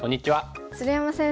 鶴山先生